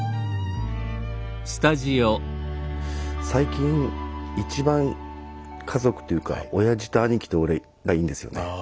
最近一番家族というかおやじと兄貴と俺仲いいんですよね。